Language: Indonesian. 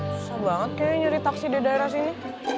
susah banget kayaknya nyari taksi di daerah sini